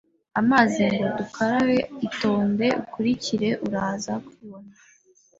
amazi ngo dukarae Itonde iikurikira uraza kuiona